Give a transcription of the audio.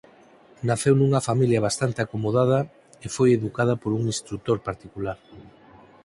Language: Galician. Naceu nunha familia bastante acomodada e foi educada por un instrutor particular.